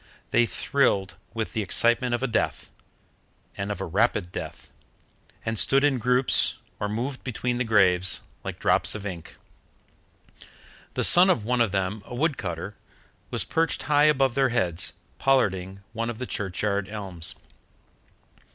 They thrilled with the excitement of a death, and of a rapid death, and stood in groups or moved between the graves, like drops of ink. The son of one of them, a wood cutter, was perched high above their heads, pollarding one of the churchyard elms.